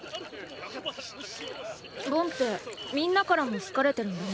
ボンってみんなからも好かれてるんだね。